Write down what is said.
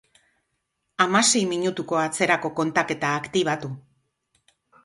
Hamasei minutuko atzerako kontaketa aktibatu.